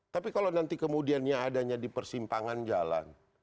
tapi kalau nanti kemudiannya adanya di persimpangan jalan